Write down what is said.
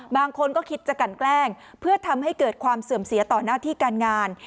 บางคนก็คิดจะกันแกล้งเพื่อทำให้เกิดความเสื่อมเสียต่อหน้าที่การงาน